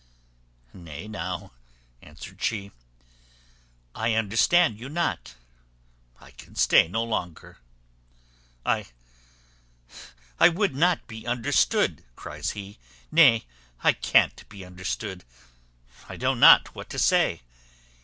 "Nay, now," answered she, "I understand you not. I can stay no longer." "I I would not be understood!" cries he; "nay, I can't be understood. I know not what I say.